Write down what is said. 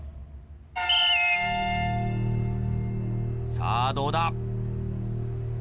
さあどうだ？